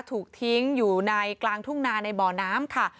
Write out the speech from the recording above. ถูกทิ้งอยู่ในกลางทุ่งนาในบ่อน้ำค่ะ